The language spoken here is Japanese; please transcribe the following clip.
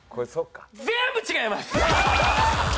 全部違います！